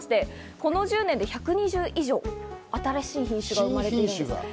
この１０年で１２０以上、新しい品種が生まれてます。